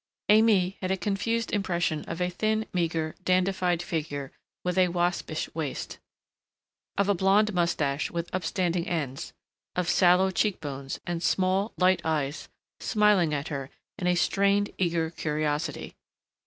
Aimée had a confused impression of a thin, meager, dandified figure with a waspish waist ... of a blond mustache with upstanding ends ... of sallow cheek bones and small, light eyes smiling at her in a strained, eager curiosity....